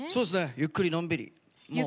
ゆっくりのんびり。